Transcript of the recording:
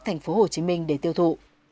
thành phố hồ chí minh để tiêu thụ